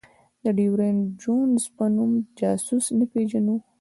د ډېویډ جونز په نوم جاسوس نه پېژنو.